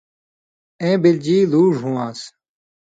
اېں بِلژی لُوڙ ہووان٘س